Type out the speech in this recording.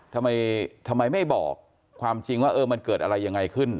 ทำไมทำไมไม่บอกความจริงว่าเออมันเกิดอะไรยังไงขึ้น